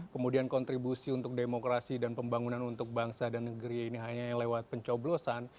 kemudian kontribusi untuk demokrasi dan pembangunan untuk bangsa dan negeri ini hanya lewat pencoblosan